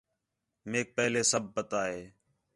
میک پہلے سب پتہ ہے